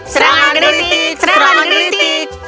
serangan gelitik serangan gelitik